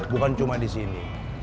bukan cuma disini